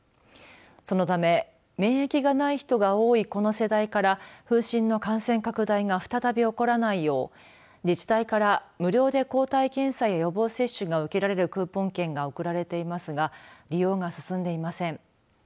そのため免疫がない人が多いこの世代から風疹の感染拡大が再び起こらないよう自治体から無料で抗体検査や予防接種が受けられるクーポン券が送られていますが利用が進んでいません。